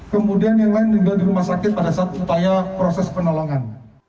kemudian yang lain meninggal di rumah sakit pada saat upaya proses penolongan